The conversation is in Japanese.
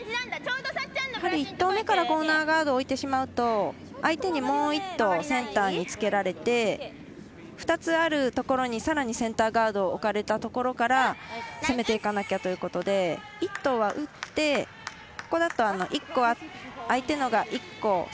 １投目からコーナーガードを置いてしまうと相手にもう１投センターにつけられて２つあるところにさらにセンターガードを置かれたところから攻めていかなきゃということで１投は打って、ここだと相手のが１個。